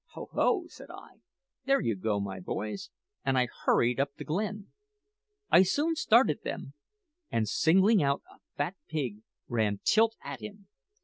`Ho, ho,' said I, `there you go, my boys;' and I hurried up the glen. I soon started them, and singling out a fat pig, ran tilt at him.